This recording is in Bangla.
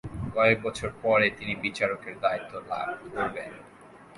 কয়েক বছর পরে তিনি বিচারকের দায়িত্ব লাভ করেন।